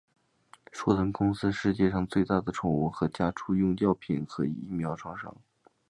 硕腾公司是世界上最大的宠物和家畜用药品和疫苗厂商。